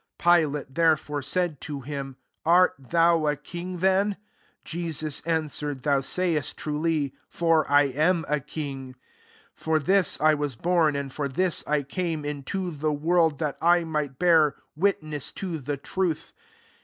37 Pilate, therefore, said to him, " Art thou a king then ?" Jesus answered, " Thou sayest truly; for I am a king. For this I was born, and for this I came into the world, that I might bear witness to the truth.